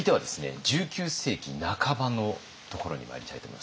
１９世紀半ばのところにまいりたいと思います。